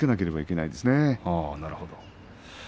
なるほど。